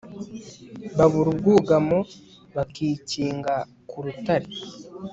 babura ubwugamo bakikinga ku rutare